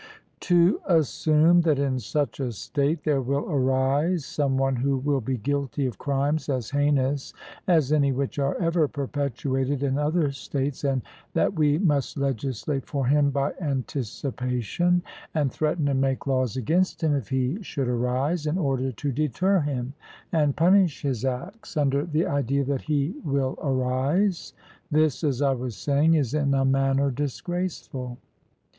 To assume that in such a state there will arise some one who will be guilty of crimes as heinous as any which are ever perpetrated in other states, and that we must legislate for him by anticipation, and threaten and make laws against him if he should arise, in order to deter him, and punish his acts, under the idea that he will arise this, as I was saying, is in a manner disgraceful.